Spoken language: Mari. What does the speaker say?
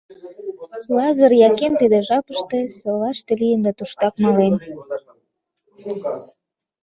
Лазыр Яким тиде жапыште селаште лийын да туштак мален.